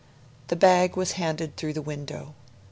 The bag was handed through the window.